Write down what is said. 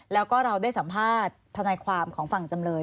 แล้วก็เราได้สัมภาษณ์ทนายความของฝั่งจำเลย